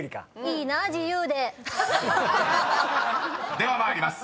［では参ります。